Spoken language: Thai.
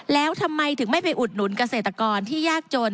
แล้วทำไมถึงไม่ไปอุดหนุนเกษตรกรที่ยากจน